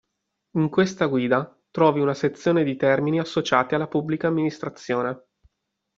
In questa guida trovi una selezione di termini associati alla Pubblica Amministrazione.